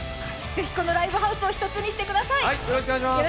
ぜひこのライブハウスを１つにしてください！